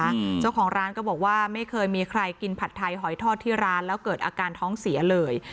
เจ้าของร้านก็บอกว่าไม่เคยมีใครกินผัดไทยหอยทอดที่ร้านแล้วเกิดอาการท้องเสียเลย